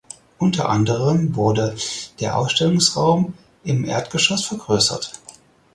Unter anderem wurde der Ausstellungsraum im Erdgeschoss vergrößert.